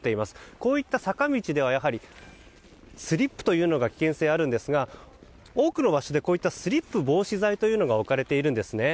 こういった坂道ではスリップの危険性があるんですが多くの場所でスリップ防止剤というのが置かれているんですね。